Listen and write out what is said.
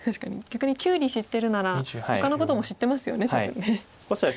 逆にキュウリ知ってるならほかのことも知ってますよね多分ね。